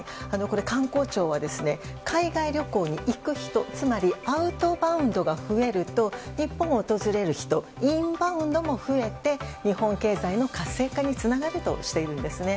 観光庁は、海外旅行に行く人つまりアウトバウンドが増えると日本に訪れる人インバウンドも増えて日本経済の活性化につながるとしているんですね。